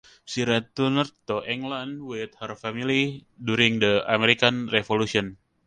She returned to England with her family during the American Revolution.